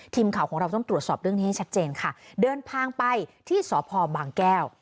ทีมข่าวของเราต้องตรวจสอบเรื่องนี้ให้ชัดเจนค่ะเดินทางไปที่สพบางแก้ว